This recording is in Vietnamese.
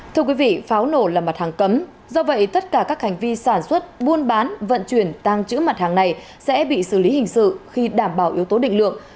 thưa quý vị pháo nổ là mặt hàng cấm do vậy tất cả các hành vi sản xuất buôn bán vận chuyển tăng trữ mặt hàng này sẽ bị xử lý hình sự khi đảm bảo yếu tố định lượng